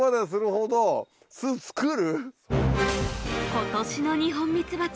今年のニホンミツバチ